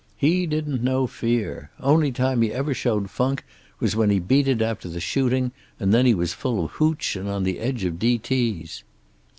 He didn't know fear. Only time he ever showed funk was when he beat it after the shooting, and then he was full of hootch, and on the edge of D.T.'s."